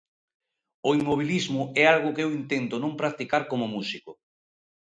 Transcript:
O inmobilismo é algo que eu intento non practicar como músico.